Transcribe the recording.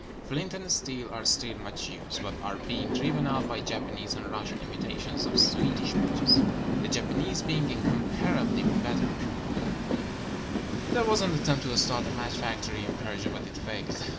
Flint and steel are still much used, but are being driven out by Japanese and Russian imitations of Swed ish matches — the Japanese being incomparably better. 425 PERSIA There was an attempt to start a match factory in Persia, but it failed.